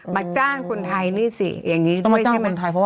มาจ้างคนไทยนี่สิอย่างนี้ด้วยใช่ไหม